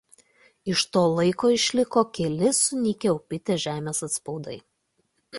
Iš to laiko išliko keli sunykę Upytės žemės antspaudai.